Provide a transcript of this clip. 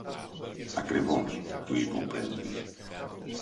"Ακριβώς", του είπε ο πρέσβυς